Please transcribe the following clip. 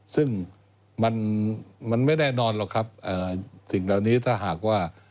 ซึ่งมันไม่แน่นอนหรอกครับสิ่งเหล่านี้ถ้าหากว่า